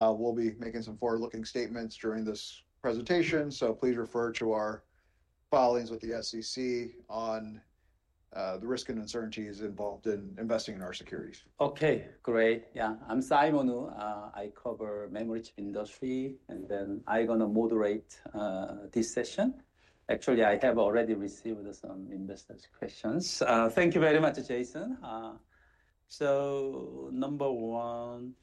We'll be making some forward-looking statements during this presentation, so please refer to our filings with the SEC on the risks and uncertainties involved in investing in our securities. Okay, great. Yeah, I'm Simon Wu. I cover the memory chip industry, and then I'm going to moderate this session. Actually, I have already received some investors' questions. Thank you very much, Jason. Number one,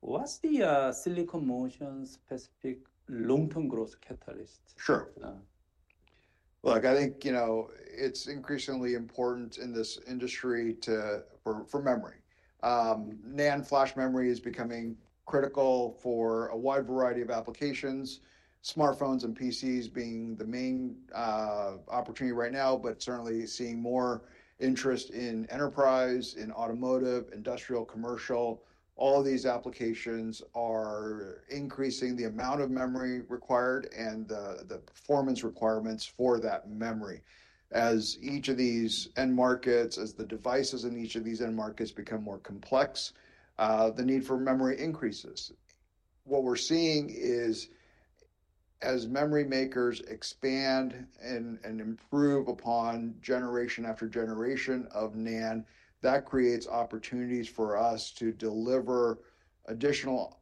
what's the Silicon Motion-specific long-term growth catalyst? Sure. Look, I think, you know, it's increasingly important in this industry for memory. NAND flash memory is becoming critical for a wide variety of applications, smartphones and PCs being the main opportunity right now, but certainly seeing more interest in enterprise, in automotive, industrial, commercial. All of these applications are increasing the amount of memory required and the performance requirements for that memory. As each of these end markets, as the devices in each of these end markets become more complex, the need for memory increases. What we're seeing is, as memory makers expand and improve upon generation after generation of NAND, that creates opportunities for us to deliver additional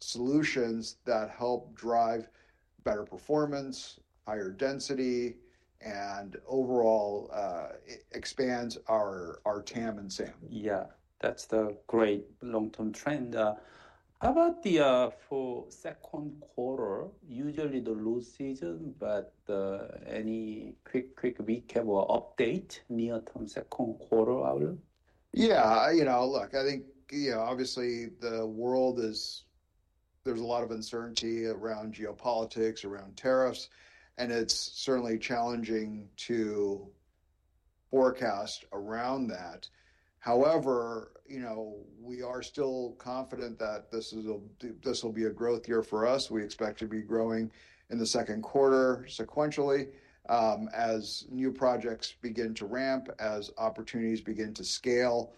solutions that help drive better performance, higher density, and overall expand our TAM and SAM. Yeah, that's the great long-term trend. How about for the second quarter? Usually the low season, but any quick, quick recap or update near the second quarter, Awil? Yeah, you know, look, I think, you know, obviously the world is, there's a lot of uncertainty around geopolitics, around tariffs, and it's certainly challenging to forecast around that. However, you know, we are still confident that this will be a growth year for us. We expect to be growing in the second quarter sequentially as new projects begin to ramp, as opportunities begin to scale.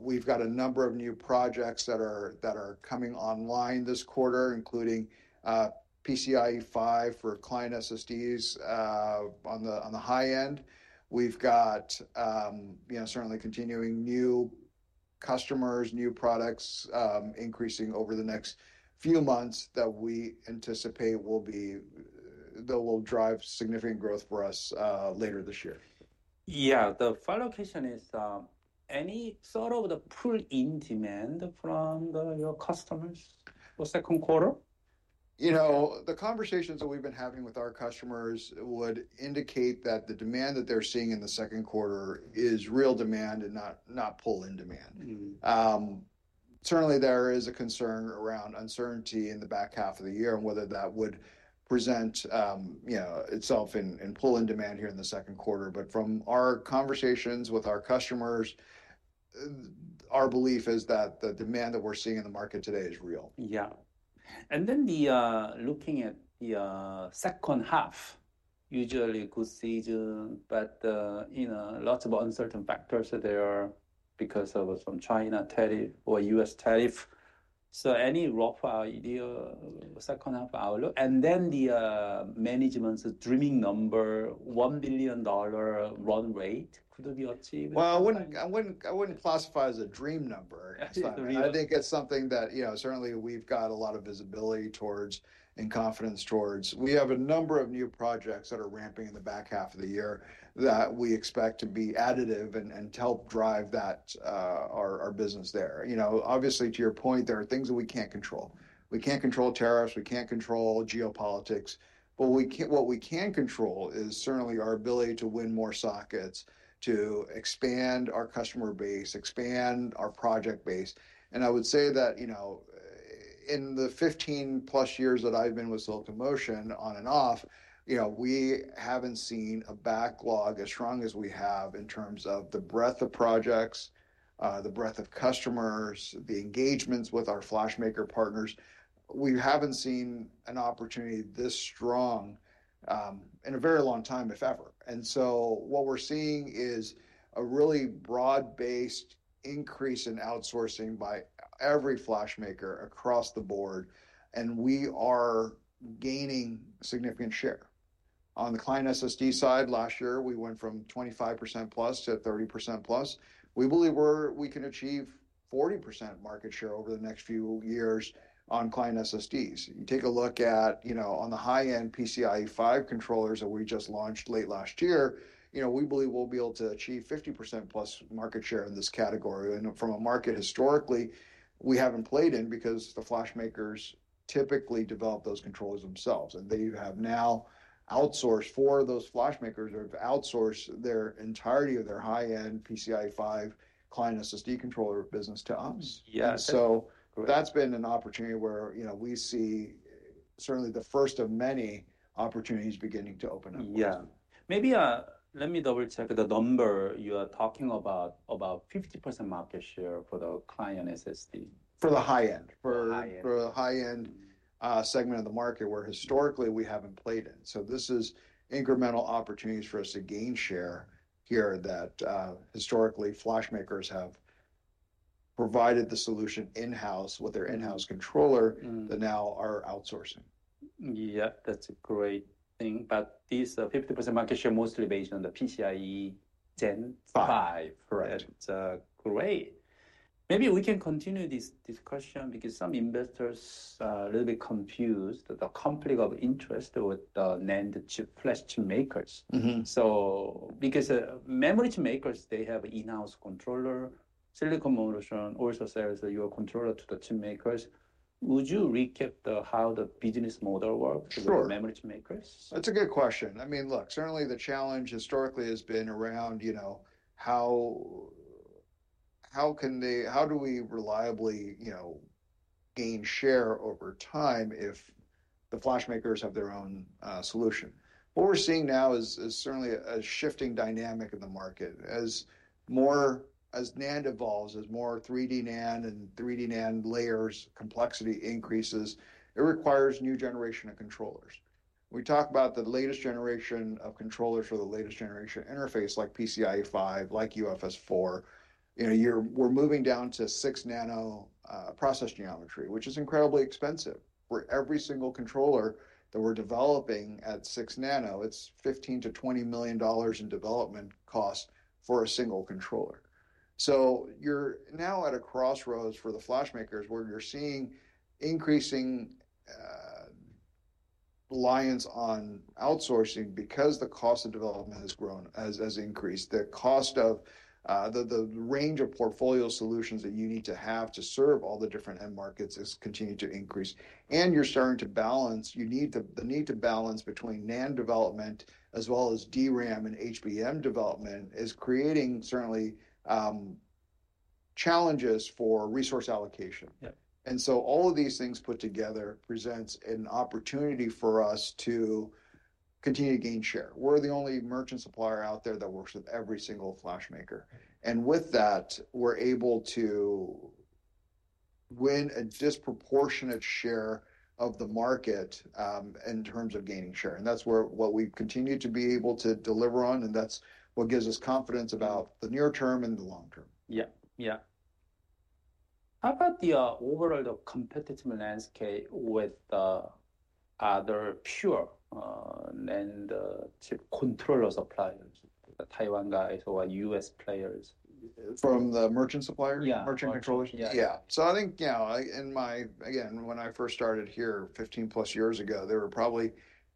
We've got a number of new projects that are coming online this quarter, including PCIe 5 for client SSDs on the high end. We've got, you know, certainly continuing new customers, new products increasing over the next few months that we anticipate will drive significant growth for us later this year. Yeah, the final question is, any sort of pull-in demand from your customers for the second quarter? You know, the conversations that we've been having with our customers would indicate that the demand that they're seeing in the second quarter is real demand and not pull-in demand. Certainly, there is a concern around uncertainty in the back half of the year and whether that would present, you know, itself in pull-in demand here in the second quarter. From our conversations with our customers, our belief is that the demand that we're seeing in the market today is real. Yeah. And then looking at the second half, usually good season, but, you know, lots of uncertain factors there because of some China tariff or U.S. tariff. So any rough idea for the second half, Awil? And then the management's dreaming number, $1 billion run rate, could it be achieved? I wouldn't classify it as a dream number. I think it's something that, you know, certainly we've got a lot of visibility towards and confidence towards. We have a number of new projects that are ramping in the back half of the year that we expect to be additive and help drive our business there. You know, obviously, to your point, there are things that we can't control. We can't control tariffs, we can't control geopolitics, but what we can control is certainly our ability to win more sockets, to expand our customer base, expand our project base. I would say that, you know, in the 15-plus years that I've been with Silicon Motion on and off, you know, we haven't seen a backlog as strong as we have in terms of the breadth of projects, the breadth of customers, the engagements with our flash maker partners. We haven't seen an opportunity this strong in a very long time, if ever. What we're seeing is a really broad-based increase in outsourcing by every flash maker across the board, and we are gaining a significant share. On the client SSD side, last year we went from 25%+ to 30%+. We believe we can achieve 40% market share over the next few years on client SSDs. You take a look at, you know, on the high-end PCIe 5 controllers that we just launched late last year, you know, we believe we'll be able to achieve 50% plus market share in this category. From a market historically, we haven't played in because the flash makers typically develop those controllers themselves, and they have now outsourced for those flash makers or have outsourced their entirety of their high-end PCIe 5 client SSD controller business to us. Yeah. That's been an opportunity where, you know, we see certainly the first of many opportunities beginning to open up. Yeah. Maybe let me double-check the number you are talking about, about 50% market share for the client SSD. For the high-end segment of the market where historically we haven't played in, this is incremental opportunities for us to gain share here that historically flash makers have provided the solution in-house with their in-house controller that now are outsourcing. Yeah, that's a great thing. This 50% market share is mostly based on the PCIe Gen5. 5, correct. Great. Maybe we can continue this discussion because some investors are a little bit confused about the conflict of interest with the NAND flash chip makers. Because memory chip makers, they have in-house controllers. Silicon Motion also sells your controller to the chip makers. Would you recap how the business model works for memory chip makers? Sure. That's a good question. I mean, look, certainly the challenge historically has been around, you know, how can they, how do we reliably, you know, gain share over time if the flash makers have their own solution? What we're seeing now is certainly a shifting dynamic in the market. As NAND evolves, as more 3D NAND and 3D NAND layers' complexity increases, it requires new generation of controllers. We talk about the latest generation of controllers for the latest generation interface like PCIe 5, like UFS 4.0. You know, we're moving down to 6-nano process geometry, which is incredibly expensive. For every single controller that we're developing at 6-nano, it's $15 million to $20 million in development cost for a single controller. So you're now at a crossroads for the flash makers where you're seeing increasing reliance on outsourcing because the cost of development has grown as increased. The cost of the range of portfolio solutions that you need to have to serve all the different end markets has continued to increase. You need to balance between NAND development as well as DRAM and HBM development, which is creating certainly challenges for resource allocation. All of these things put together present an opportunity for us to continue to gain share. We're the only merchant supplier out there that works with every single flash maker. With that, we're able to win a disproportionate share of the market in terms of gaining share. That's what we continue to be able to deliver on. That's what gives us confidence about the near term and the long term. Yeah, yeah. How about the overall competitive landscape with other pure NAND chip controller suppliers, the Taiwan guys or US players? From the merchant suppliers? Yeah. Merchant controllers? Yeah. Yeah. I think, you know, in my, again, when I first started here 15-plus years ago, there were probably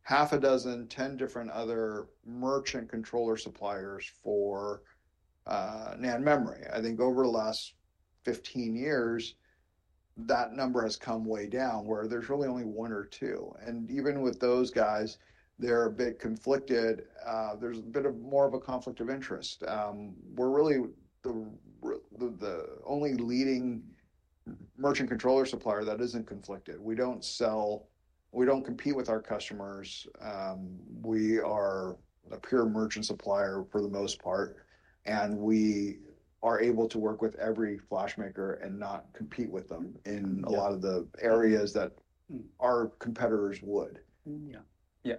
half a dozen, 10 different other merchant controller suppliers for NAND memory. I think over the last 15 years, that number has come way down where there's really only one or two. Even with those guys, they're a bit conflicted. There's a bit more of a conflict of interest. We're really the only leading merchant controller supplier that isn't conflicted. We don't sell, we don't compete with our customers. We are a pure merchant supplier for the most part, and we are able to work with every flash maker and not compete with them in a lot of the areas that our competitors would. Yeah, yeah.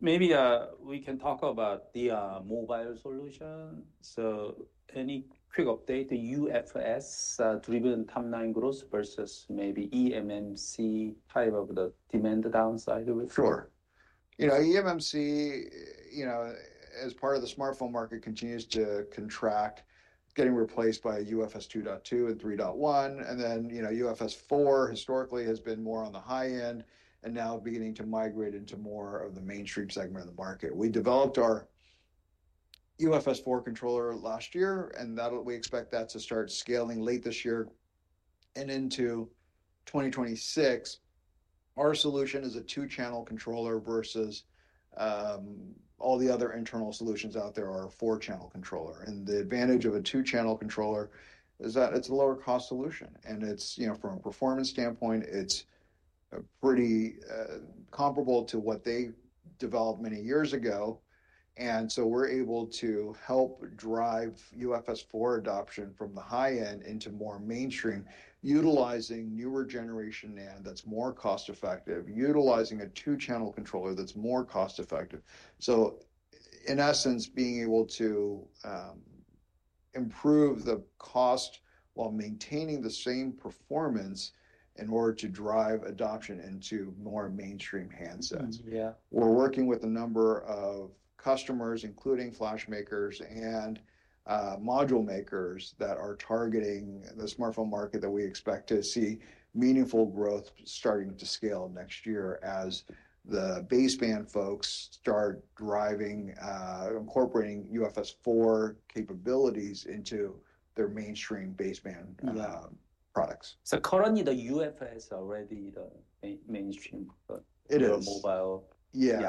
Maybe we can talk about the mobile solution. So any quick update on UFS-driven timeline growth versus maybe eMMC type of the demand downside? Sure. You know, eMMC, you know, as part of the smartphone market continues to contract, getting replaced by UFS 2.2 and 3.1. UFS 4.0 historically has been more on the high end and now beginning to migrate into more of the mainstream segment of the market. We developed our UFS 4.0 controller last year, and we expect that to start scaling late this year and into 2026. Our solution is a two-channel controller versus all the other internal solutions out there are a four-channel controller. The advantage of a two-channel controller is that it's a lower-cost solution. It's, you know, from a performance standpoint, it's pretty comparable to what they developed many years ago. We're able to help drive UFS 4.0 adoption from the high end into more mainstream, utilizing newer generation NAND that's more cost-effective, utilizing a two-channel controller that's more cost-effective. In essence, being able to improve the cost while maintaining the same performance in order to drive adoption into more mainstream handsets. We're working with a number of customers, including flash makers and module makers that are targeting the smartphone market that we expect to see meaningful growth starting to scale next year as the baseband folks start driving, incorporating UFS 4.0 capabilities into their mainstream baseband products. Currently the UFS is already the mainstream for mobile. It is. Yeah. You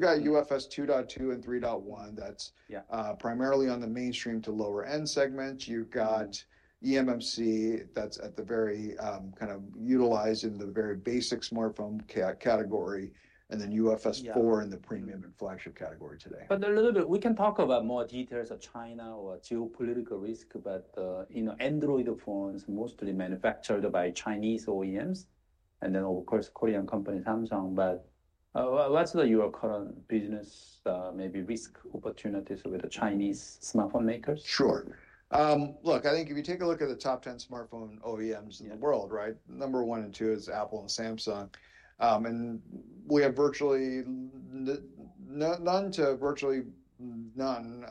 have UFS 2.2 and 3.1 that is primarily on the mainstream to lower-end segments. You have eMMC that is utilized in the very basic smartphone category, and then UFS 4.0 in the premium and flagship category today. We can talk about more details of China or geopolitical risk, but, you know, Android phones are mostly manufactured by Chinese OEMs. And then, of course, Korean companies, Samsung. But what's your current business maybe risk opportunities with the Chinese smartphone makers? Sure. Look, I think if you take a look at the top 10 smartphone OEMs in the world, right, number one and two is Apple and Samsung. We have virtually none to virtually none,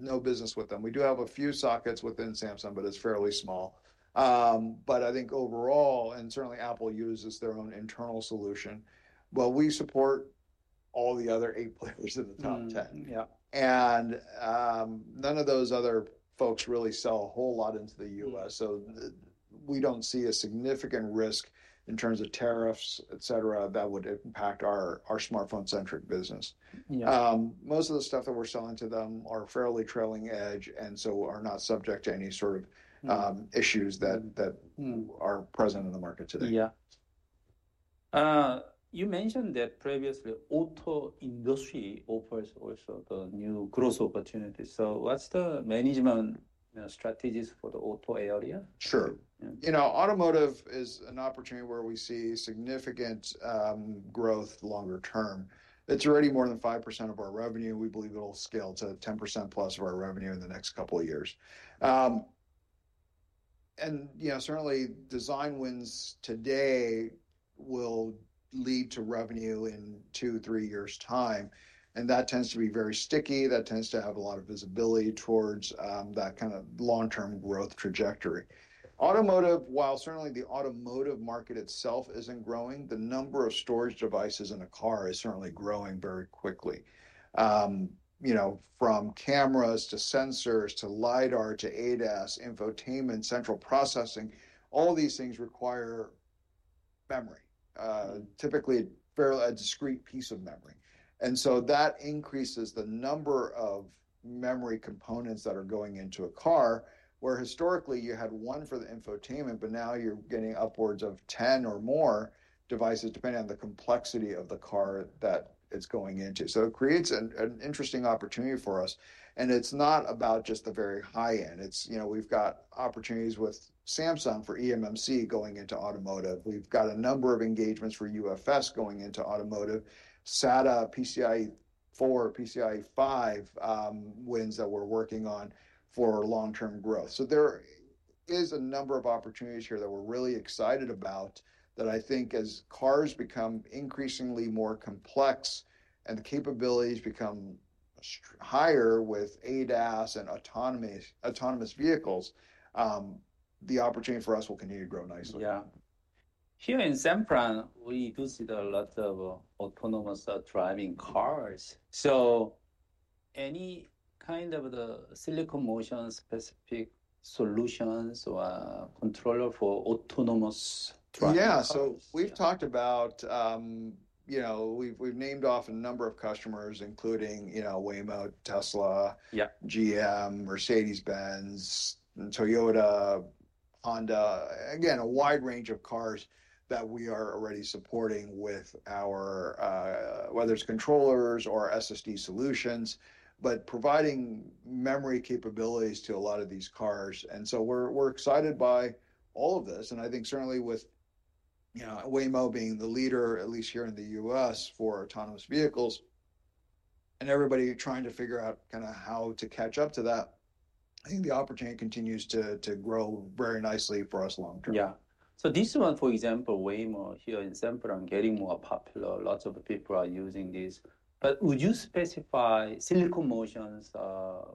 no business with them. We do have a few sockets within Samsung, but it's fairly small. I think overall, and certainly Apple uses their own internal solution, but we support all the other eight players in the top 10. Yeah. None of those other folks really sell a whole lot into the U.S. We do not see a significant risk in terms of tariffs, et cetera, that would impact our smartphone-centric business. Most of the stuff that we're selling to them are fairly trailing edge and so are not subject to any sort of issues that are present in the market today. Yeah. You mentioned that previously auto industry offers also the new growth opportunities. What's the management strategies for the auto area? Sure. You know, automotive is an opportunity where we see significant growth longer term. It's already more than 5% of our revenue. We believe it'll scale to 10%+ of our revenue in the next couple of years. You know, certainly design wins today will lead to revenue in two, three years' time. That tends to be very sticky. That tends to have a lot of visibility towards that kind of long-term growth trajectory. Automotive, while certainly the automotive market itself isn't growing, the number of storage devices in a car is certainly growing very quickly. You know, from cameras to sensors to LiDAR to ADAS, infotainment, central processing, all these things require memory, typically a discrete piece of memory. That increases the number of memory components that are going into a car where historically you had one for the infotainment, but now you're getting upwards of 10 or more devices depending on the complexity of the car that it's going into. It creates an interesting opportunity for us. It's not about just the very high end. It's, you know, we've got opportunities with Samsung for eMMC going into automotive. We've got a number of engagements for UFS going into automotive, SATA, PCIe 4, PCIe 5 wins that we're working on for long-term growth. There is a number of opportunities here that we're really excited about that I think as cars become increasingly more complex and the capabilities become higher with ADAS and autonomous vehicles, the opportunity for us will continue to grow nicely. Yeah. Here in Sempron, we do see a lot of autonomous driving cars. So any kind of the Silicon Motion specific solutions or controller for autonomous driving? Yeah. So we've talked about, you know, we've named off a number of customers, including, you know, Waymo, Tesla, GM, Mercedes-Benz, Toyota, Honda, again, a wide range of cars that we are already supporting with our, whether it's controllers or SSD solutions, but providing memory capabilities to a lot of these cars. We are excited by all of this. I think certainly with, you know, Waymo being the leader, at least here in the U.S. for autonomous vehicles and everybody trying to figure out kind of how to catch up to that, I think the opportunity continues to grow very nicely for us long term. Yeah. So this one, for example, Waymo here in Sempron getting more popular. Lots of people are using this. Would you specify Silicon Motion's, for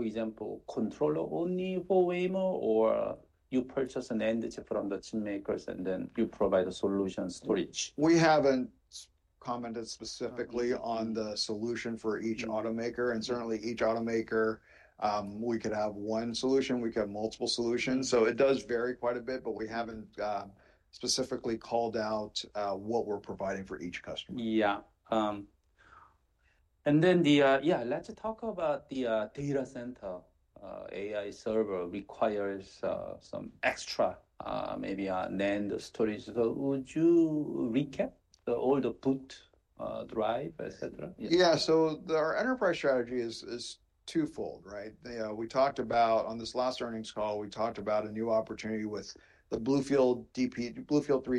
example, controller only for Waymo or you purchase an end chip from the chip makers and then you provide a solution storage? We haven't commented specifically on the solution for each automaker. Certainly each automaker, we could have one solution, we could have multiple solutions. It does vary quite a bit, but we haven't specifically called out what we're providing for each customer. Yeah. Yeah, let's talk about the data center AI server requires some extra maybe NAND storage. Would you recap all the boot drive, et cetera? Yeah. Our enterprise strategy is twofold, right? We talked about on this last earnings call, we talked about a new opportunity with the Bluefield 3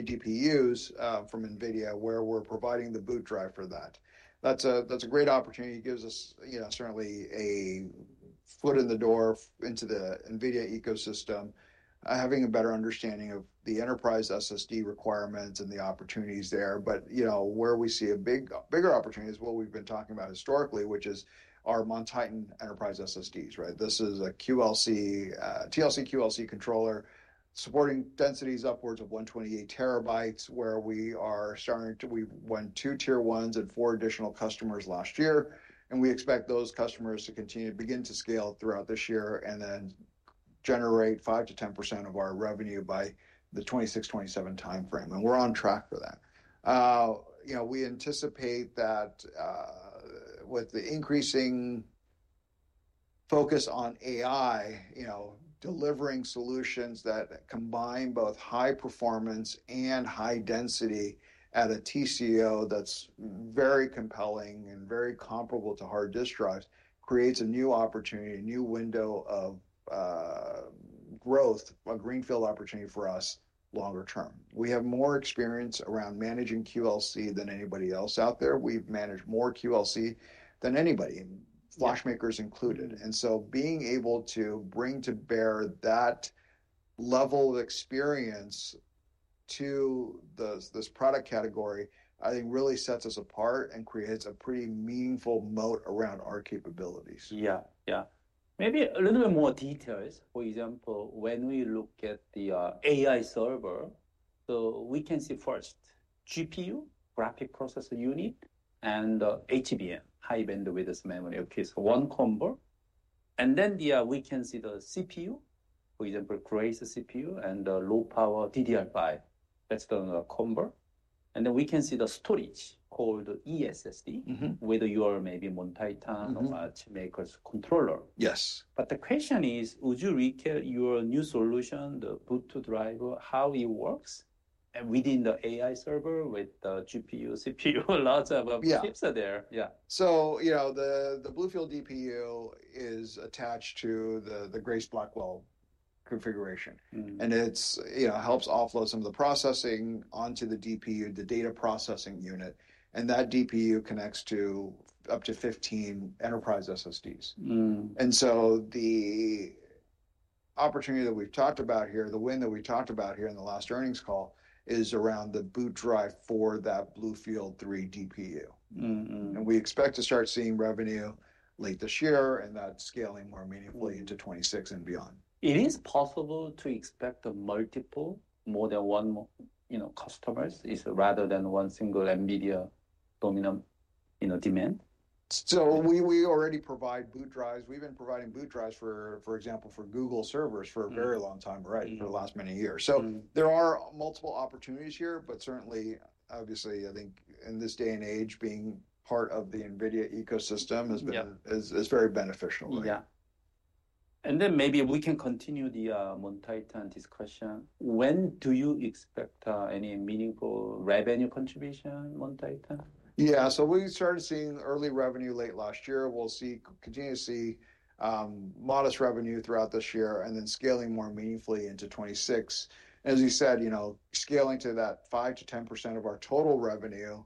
DPUs from NVIDIA where we're providing the boot drive for that. That's a great opportunity. It gives us, you know, certainly a foot in the door into the NVIDIA ecosystem, having a better understanding of the enterprise SSD requirements and the opportunities there. You know, where we see a bigger opportunity is what we've been talking about historically, which is our Mount Titan enterprise SSDs, right? This is a TLC/QLC controller supporting densities upwards of 128 TB where we are starting to, we went two tier ones and four additional customers last year. We expect those customers to continue to begin to scale throughout this year and then generate 5%-10% of our revenue by the 2026, 2027 timeframe. We're on track for that. You know, we anticipate that with the increasing focus on AI, you know, delivering solutions that combine both high performance and high density at a TCO that's very compelling and very comparable to hard disk drives creates a new opportunity, a new window of growth, a greenfield opportunity for us longer term. We have more experience around managing QLC than anybody else out there. We've managed more QLC than anybody, flash makers included. And so being able to bring to bear that level of experience to this product category, I think really sets us apart and creates a pretty meaningful moat around our capabilities. Yeah, yeah. Maybe a little bit more details. For example, when we look at the AI server, so we can see first GPU, graphic processor unit, and HBM, high bandwidth memory. Okay. So one convert. And then we can see the CPU, for example, Grace CPU and low-power DDR5. That's done a convert. And then we can see the storage called ESSD with your maybe Mount Titan or chip makers controller. Yes. The question is, would you recap your new solution, the boot drive, how it works within the AI server with the GPU, CPU, lots of chips are there? Yeah. You know, the Bluefield DPU is attached to the Grace Blackwell configuration. It helps offload some of the processing onto the DPU, the data processing unit. That DPU connects to up to 15 enterprise SSDs. The opportunity that we have talked about here, the win that we talked about here in the last earnings call, is around the boot drive for that Bluefield 3 DPU. We expect to start seeing revenue late this year and that scaling more meaningfully into 2026 and beyond. Is it possible to expect a multiple, more than one, you know, customers rather than one single NVIDIA dominant, you know, demand? We already provide boot drives. We've been providing boot drives for, for example, for Google servers for a very long time, right, for the last many years. There are multiple opportunities here, but certainly, obviously, I think in this day and age, being part of the NVIDIA ecosystem has been very beneficial. Yeah. Maybe we can continue the Mount Titan discussion. When do you expect any meaningful revenue contribution, Mount Titan? Yeah. We started seeing early revenue late last year. We'll see continuously modest revenue throughout this year and then scaling more meaningfully into 2026. As you said, you know, scaling to that 5%-10% of our total revenue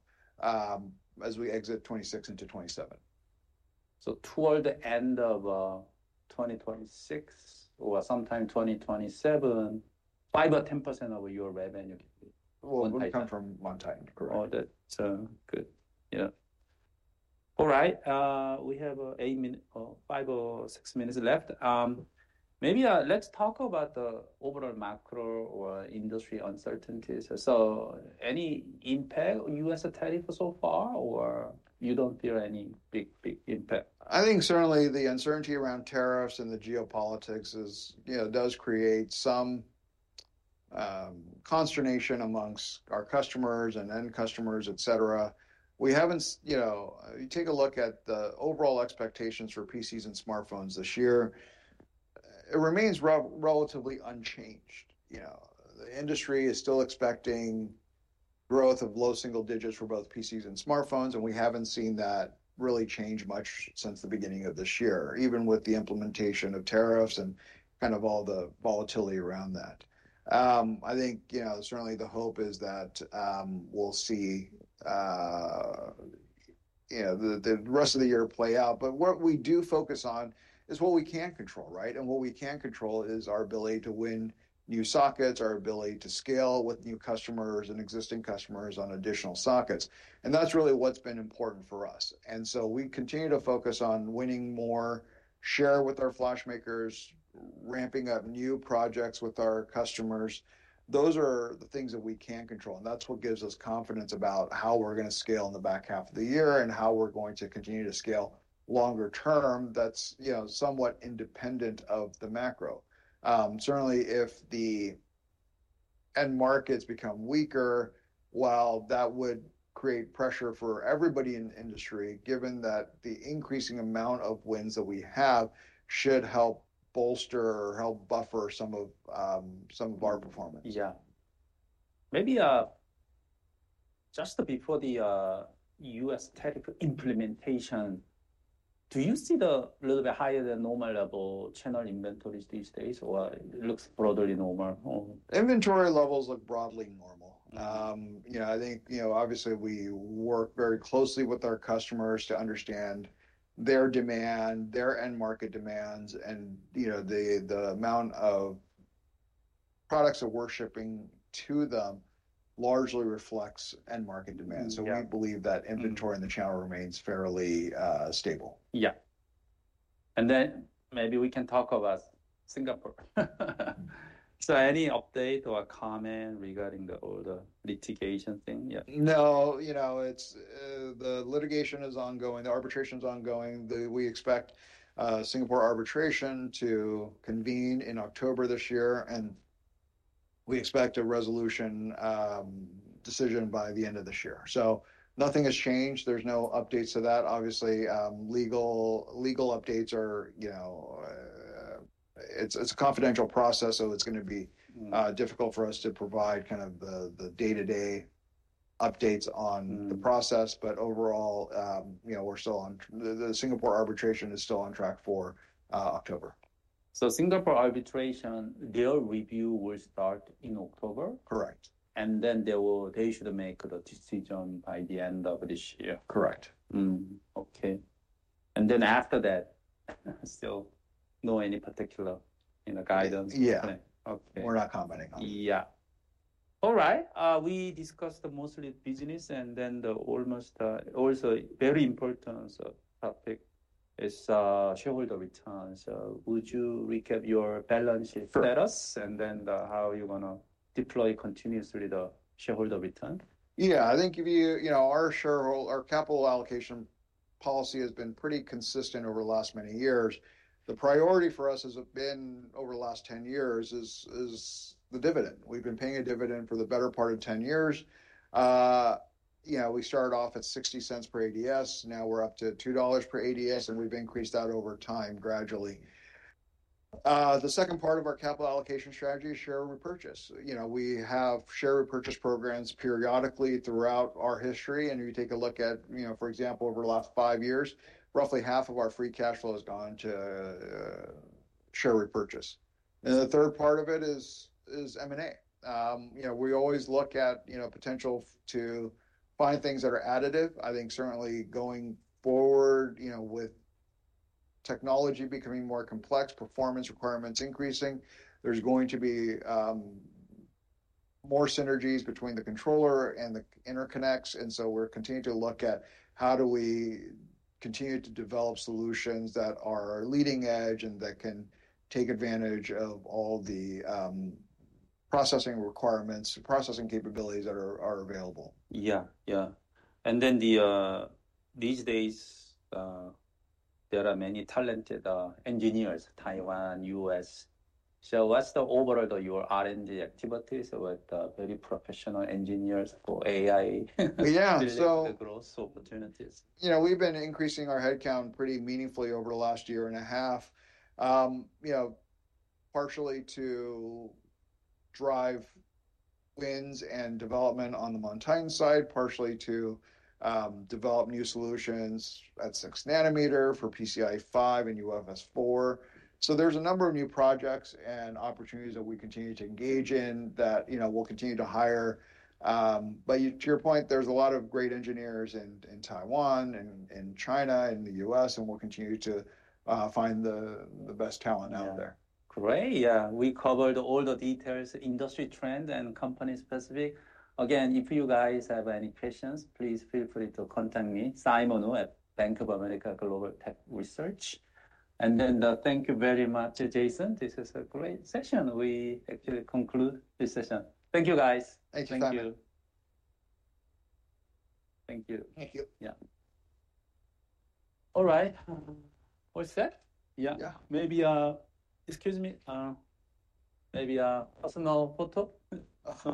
as we exit 2026 into 2027. Toward the end of 2026 or sometime 2027, 5% or 10% of your revenue? We come from Mount Titan, correct. Oh, that's good. Yeah. All right. We have eight minutes, five or six minutes left. Maybe let's talk about the overall macro or industry uncertainties. Any impact on U.S. tariffs so far or you don't feel any big, big impact? I think certainly the uncertainty around tariffs and the geopolitics is, you know, does create some consternation amongst our customers and end customers, et cetera. We haven't, you know, you take a look at the overall expectations for PCs and smartphones this year, it remains relatively unchanged. You know, the industry is still expecting growth of low single digits for both PCs and smartphones. We haven't seen that really change much since the beginning of this year, even with the implementation of tariffs and kind of all the volatility around that. I think, you know, certainly the hope is that we'll see, you know, the rest of the year play out. What we do focus on is what we can control, right? What we can control is our ability to win new sockets, our ability to scale with new customers and existing customers on additional sockets. That is really what has been important for us. We continue to focus on winning more share with our flash makers, ramping up new projects with our customers. Those are the things that we can control. That is what gives us confidence about how we are going to scale in the back half of the year and how we are going to continue to scale longer term. That is, you know, somewhat independent of the macro. Certainly, if the end markets become weaker, while that would create pressure for everybody in the industry, given that the increasing amount of wins that we have should help bolster or help buffer some of our performance. Yeah. Maybe just before the U.S. tariff implementation, do you see the little bit higher than normal level channel inventories these days or it looks broadly normal? Inventory levels look broadly normal. You know, I think, you know, obviously we work very closely with our customers to understand their demand, their end market demands. You know, the amount of products that we're shipping to them largely reflects end-market demand. We believe that inventory in the channel remains fairly stable. Yeah. Maybe we can talk about Singapore. Any update or comment regarding the older litigation thing? Yeah. No, you know, the litigation is ongoing. The arbitration is ongoing. We expect Singapore arbitration to convene in October this year. We expect a resolution decision by the end of this year. Nothing has changed. There are no updates to that. Obviously, legal updates are, you know, it's a confidential process, so it's going to be difficult for us to provide kind of the day-to-day updates on the process. Overall, you know, we're still on, the Singapore arbitration is still on track for October. Singapore arbitration, their review will start in October? Correct. They should make the decision by the end of this year? Correct. Okay. And then after that, still no any particular, you know, guidance? Yeah. We're not commenting on it. Yeah. All right. We discussed mostly business and then the almost also very important topic is shareholder returns. Would you recap your balance status and then how you're going to deploy continuously the shareholder return? Yeah. I think if you, you know, our shareholder, our capital allocation policy has been pretty consistent over the last many years. The priority for us has been over the last 10 years is the dividend. We've been paying a dividend for the better part of 10 years. You know, we started off at $0.60 per ADS. Now we're up to $2 per ADS and we've increased that over time gradually. The second part of our capital allocation strategy is share repurchase. You know, we have share repurchase programs periodically throughout our history. You take a look at, you know, for example, over the last five years, roughly half of our free cash flow has gone to share repurchase. The third part of it is M&A. You know, we always look at, you know, potential to find things that are additive. I think certainly going forward, you know, with technology becoming more complex, performance requirements increasing, there's going to be more synergies between the controller and the interconnects. We are continuing to look at how do we continue to develop solutions that are leading edge and that can take advantage of all the processing requirements, processing capabilities that are available. Yeah, yeah. These days, there are many talented engineers, Taiwan, U.S. What's the overall, your R&D activities with very professional engineers for AI? Yeah. So. The growth opportunities. You know, we've been increasing our headcount pretty meaningfully over the last year and a half, you know, partially to drive wins and development on the Mount Titan side, partially to develop new solutions at 6 nanometer for PCIe 5 and UFS 4.0. There is a number of new projects and opportunities that we continue to engage in that, you know, we'll continue to hire. To your point, there is a lot of great engineers in Taiwan and China and the U.S., and we'll continue to find the best talent out there. Great. Yeah. We covered all the details, industry trend and company-specific. If you guys have any questions, please feel free to contact me, Simon Wu at Bank of America Global Tech Research. Thank you very much, Jason. This is a great session. We actually conclude this session. Thank you, guys. Thank you. Thank you. Thank you. Yeah. All right. What's that? Yeah. Yeah. Maybe, excuse me, maybe a personal photo?